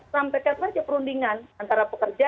sampaikan saja perundingan antara pekerja